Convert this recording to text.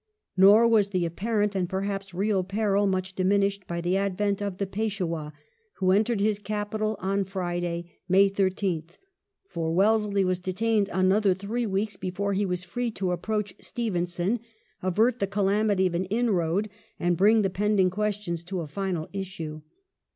Nor was the apparent and perhaps real peril much diminished by the advent of the Peishwah, who entered his capital on Friday, May 13th; for Wellesley was detained another three weeks before he was free to approach Stevenson, avert the calamity of an inroad, and bring the pending questions to a final issue.